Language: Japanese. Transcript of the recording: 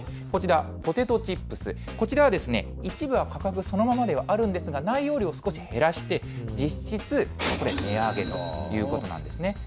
こちら、ポテトチップス、こちらは一部は価格そのままではあるんですが、内容量少し減らして、実質値上げということなんですね。